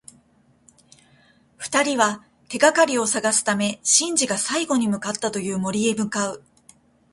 二人は、手がかりを探すためシンジが最後に向かったという森へ向かう。